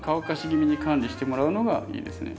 気味に管理してもらうのがいいですね。